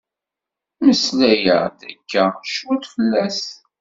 Mmeslay-aɣ-d akka cwiṭ fell-as?